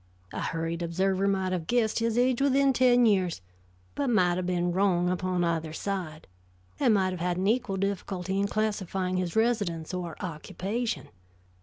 A hurried observer might have guessed his age within ten years, but might have been wrong upon either side, and might have had an equal difficulty in classifying his residence or occupation.